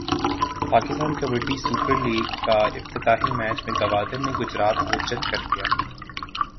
Pakistan kabaddi super لیگافتتاحی match میں گوادر نے گجرات کو چت کردیا